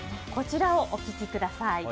こちらをお聞きください。